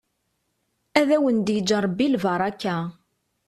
Ad awen-d-yeǧǧ ṛebbi lbaṛaka.